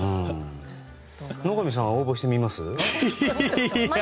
野上さん、応募してみます？